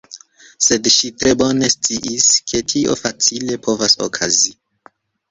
Sed ŝi tre bone sciis ke tio facile povas okazi.